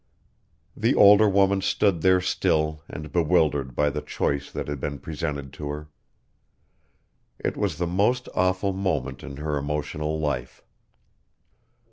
The older woman stood there still and bewildered by the choice that had been presented to her. It was the most awful moment in her emotional life.